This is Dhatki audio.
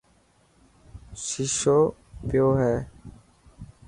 ششو پيو هي.